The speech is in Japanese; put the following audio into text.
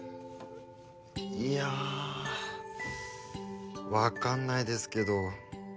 いや分かんないですけど。